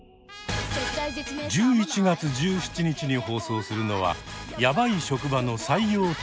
１１月１７日に放送するのは「ヤバい職場の採用担当者」。